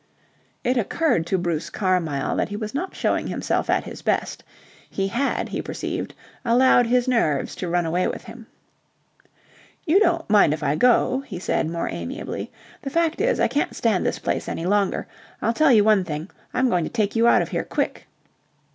It occurred to Bruce Carmyle that he was not showing himself at his best. He had, he perceived, allowed his nerves to run away with him. "You don't mind if I go?" he said more amiably. "The fact is, I can't stand this place any longer. I'll tell you one thing, I'm going to take you out of here quick."